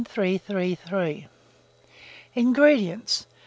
INGREDIENTS.